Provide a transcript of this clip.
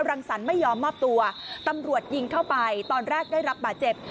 รังสรรคไม่ยอมมอบตัวตำรวจยิงเข้าไปตอนแรกได้รับบาดเจ็บ